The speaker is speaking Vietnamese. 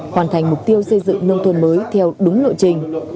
hoàn thành mục tiêu xây dựng nông thôn mới theo đúng lộ trình